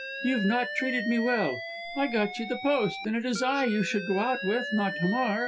You've not treated me well. I got you the post, and it is I you should go out with, not Hamar."